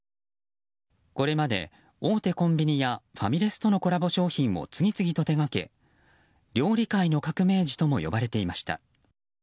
これまで大手コンビニやファミレスとのコラボ商品を次々と手掛け料理界の革命児とも呼ばれていました。